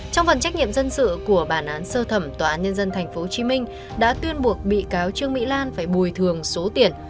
trong phần trách nhiệm dân sự của bản án sơ thẩm tòa án nhân dân tp hcm đã tuyên buộc bị cáo trương mỹ lan phải bồi thường số tiền